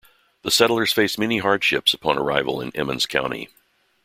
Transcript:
The settlers faced many hardships upon arrival in Emmons County.